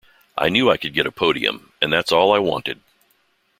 I knew I could get a podium, and that's all I wanted.